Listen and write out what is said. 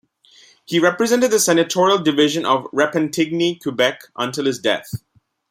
He represented the senatorial division of Repentigny, Quebec until his death.